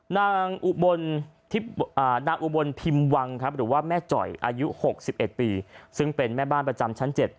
นางอุบลพิมพ์วังครับหรือว่าแม่จ่อยอายุ๖๑ปีซึ่งเป็นแม่บ้านประจำชั้น๗